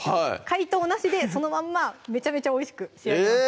解凍なしでそのまんまめちゃめちゃおいしく仕上げます